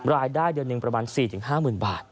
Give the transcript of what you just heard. รายได้เดือนหนึ่งประมาณ๔๕๐๐๐บาท